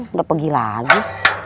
nggak pergi lagi